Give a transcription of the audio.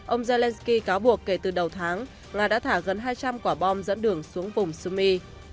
ông zelensky cáo buộc kể từ đầu tháng nga đã thả gần hai trăm linh quả bom dẫn đường xuống vùng sumi